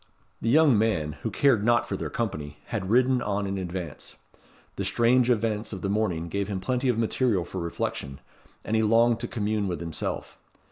The young man, who cared not for their company, had ridden on in advance. The strange events of the morning gave him plenty of material for reflection, and he longed to commune with himself.